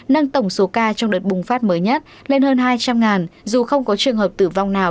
nâng tổng số ca trong đợt bùng phát mới nhất lên hơn hai trăm linh dù không có trường hợp tử vong nào